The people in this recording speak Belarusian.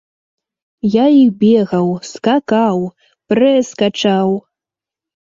Я і бегаў, скакаў, прэс качаў.